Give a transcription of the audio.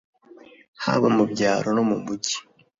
haba mu byaro no mu mijyi